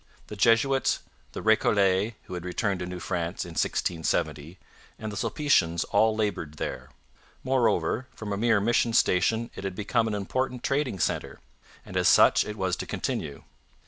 The Jesuits, the Recollets, who had returned to New France in 1670, and the Sulpicians all laboured there. Moreover, from a mere mission station it had become an important trading centre; and as such it was to continue.